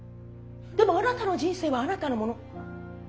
でもあなたの人生はあなたのもの。